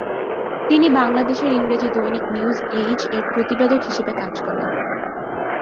তিনি বাংলাদেশের ইংরেজি দৈনিক নিউজ এজ -এর প্রতিবেদক হিসেবে কাজ করেন।